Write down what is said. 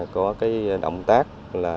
có động tác là